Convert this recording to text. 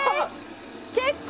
結構。